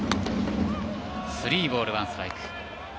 スリーボールワンストライク。